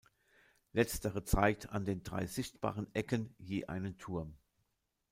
Letztere zeigt an den drei sichtbaren Ecken je einen Turm.